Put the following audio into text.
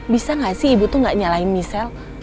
bisa gak sih ibu tuh gak nyalain michelle